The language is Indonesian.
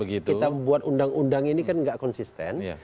kita membuat undang undang ini kan nggak konsisten